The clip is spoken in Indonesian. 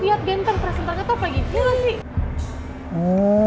lihat ganteng tersentang ketop lagi gila sih